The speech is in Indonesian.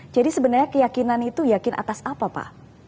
jadi sebenarnya keyakinan itu yakin atas apa pak